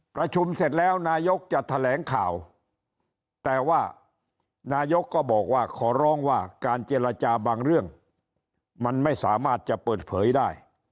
ประชุมเสร็จแล้วนายกจะแถลงข่าวแต่ว่านายกก็บอกว่าขอร้องว่าการเจรจาบางเรื่องมันไม่สามารถจะเปิดเผยได้